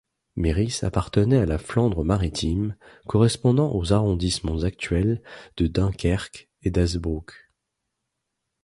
Merris appartenait à la Flandre maritime, correspondant aux arrondissements actuels de Dunkerque et d'Hazebrouck.